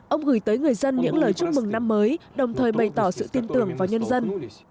ông gửi tới người dân những lời chúc mừng năm mới đồng thời bày tỏ sự tin tưởng vào nhân dân